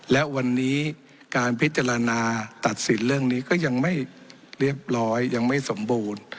และวันนี้การพิจารณาตัดสินเรื่องนี้ก็ยังไม่เรียบร้อยยังไม่สมบูรณ์